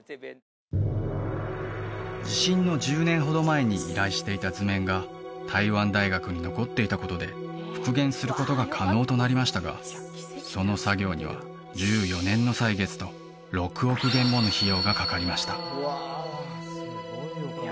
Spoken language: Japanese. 地震の１０年ほど前に依頼していた図面が台湾大学に残っていたことで復元することが可能となりましたがその作業には１４年の歳月と６億元もの費用がかかりました